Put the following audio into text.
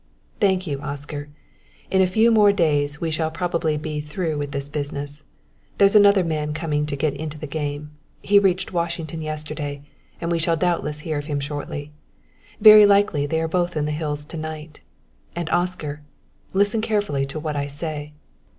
"Thank you, Oscar. In a few days more we shall probably be through with this business. There's another man coming to get into the game he reached Washington yesterday, and we shall doubtless hear of him shortly. Very likely they are both in the hills tonight. And, Oscar, listen carefully to what I say."